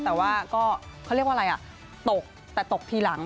แต่ว่าก็เขาเรียกว่าอะไรอ่ะตกแต่ตกทีหลัง